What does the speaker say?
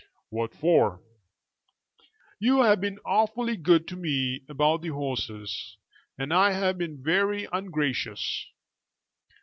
"What for?" "You have been awfully good to me about the horses, and I have been very ungracious."